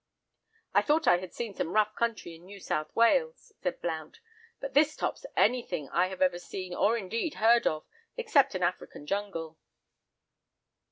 "I thought I had seen some rough country in New South Wales," said Blount, "but this tops anything I have ever seen or indeed heard of, except an African jungle."